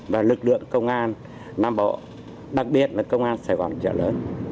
và lực lượng công an nam bộ đặc biệt là công an sài gòn trở lớn